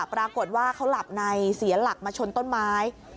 ปรากฏว่าเขาหลับในเสียหลักมาชนต้นไม้